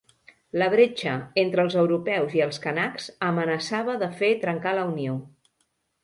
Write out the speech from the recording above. La bretxa entre els europeus i els canacs amenaçava de fer trencar la unió.